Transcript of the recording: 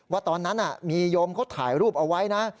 ว่าตอนนั้นมีโยมเขาถ่ายรูปเอาไว้นะ